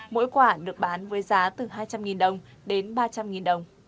mỗi quả được bán với giá từ hai trăm linh đồng đến ba trăm linh đồng